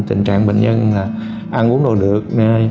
tình trạng bệnh nhân ăn uống đồ được